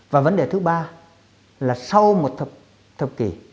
và vấn đề thứ ba là sau một thập kỷ